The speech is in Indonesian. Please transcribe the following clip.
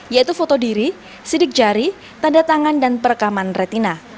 yaitu foto diri sidik jari tanda tangan dan perekaman retina